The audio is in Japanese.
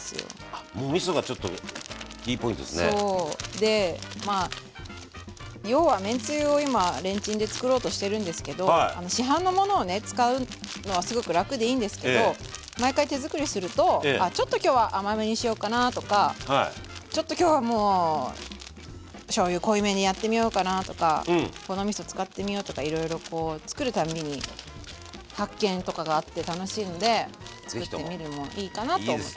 でまあ要はめんつゆを今レンチンでつくろうとしてるんですけど市販のものをね使うのはねすごく楽でいいんですけど毎回手づくりするとあちょっと今日は甘めにしようかなとかちょっと今日はもうしょうゆ濃いめにやってみようかなとかこのみそ使ってみようとかいろいろつくる度に発見とかがあって楽しいのでつくってみるのもいいかなと思って。